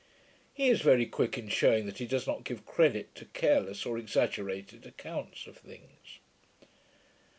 He is very quick in shewing that he does not give credit to careless or exaggerated accounts of things.